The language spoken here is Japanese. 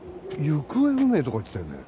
行方不明とか言ってたよね？